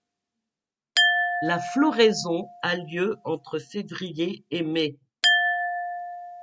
La floraison a lieu entre février et mai.